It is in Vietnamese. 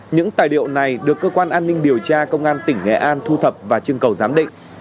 những tài liệu này được cơ quan an ninh điều tra công an tỉnh nghệ an thu thập và trưng cầu giám định